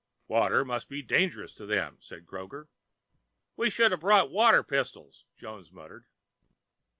"Water must be dangerous to them," said Kroger. "We shoulda brought water pistols," Jones muttered.